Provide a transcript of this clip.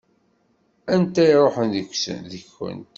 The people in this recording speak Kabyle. Anta i iṛuḥen yid-kent?